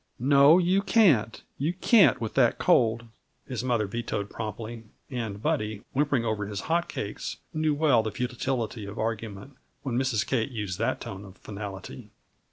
"No, you can't. You can't, with that cold," his mother vetoed promptly, and Buddy, whimpering over his hot cakes, knew well the futility of argument, when Mrs. Kate used that tone of finality.